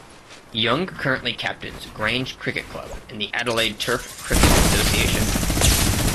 Young currently captains Grange Cricket Club in the Adelaide Turf Cricket association.